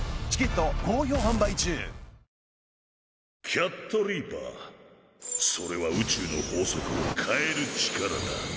キャットリーパーそれは宇宙の法則を変える力だ。